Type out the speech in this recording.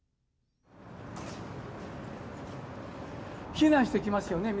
避難してきますよね。